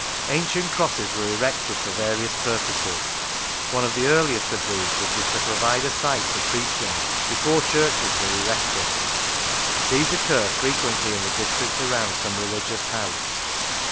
Ancient crosses were erected for various purposes. One of the earliest of these would be to provide a site for preaching, before churches were erected. These occur frequently in the district around some religious house.